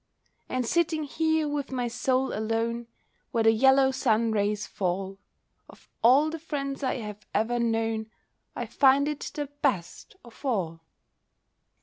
And sitting here, with my Soul alone, Where the yellow sun rays fall, Of all the friends I have ever known I find it the best of all.